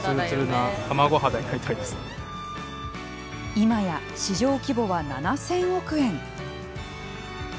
今や市場規模は７０００億円。